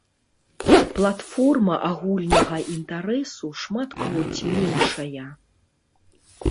Платформа агульнага інтарэсу шматкроць меншая.